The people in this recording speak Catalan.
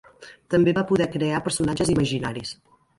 També va poder crear personatges imaginaris.